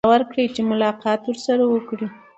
اجازه ورکړي چې ملاقات ورسره وکړي.